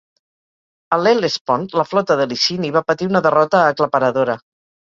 A l'Hel·lespont la flota de Licini va patir una derrota aclaparadora.